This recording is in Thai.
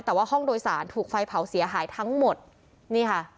แต่ว่าห้องโดยสารถูกไฟเผาเสียหายทั้งหมดนี่ค่ะ